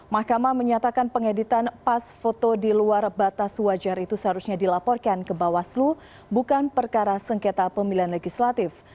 mahkamah menyatakan pengeditan pas foto di luar batas wajar itu seharusnya dilaporkan ke bawaslu bukan perkara sengketa pemilihan legislatif